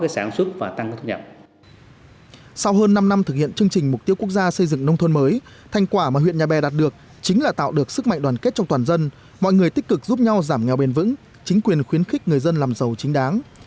sau hơn năm năm thực hiện chương trình mục tiêu quốc gia xây dựng nông thôn mới thành quả mà huyện nhà bè đạt được chính là tạo được sức mạnh đoàn kết trong toàn dân mọi người tích cực giúp nhau giảm nghèo bền vững chính quyền khuyến khích người dân làm giàu chính đáng